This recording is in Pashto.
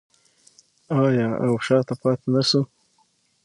آیا او شاته پاتې نشو؟